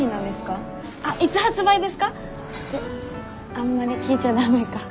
あんまり聞いちゃダメか。